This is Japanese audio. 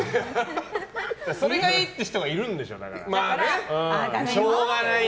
それがいいっていう人がいるんでしょ、だから。